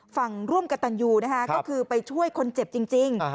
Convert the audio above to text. ร่วมกับตันยูนะคะก็คือไปช่วยคนเจ็บจริง